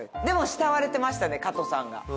でも慕われてましたね加藤さんが。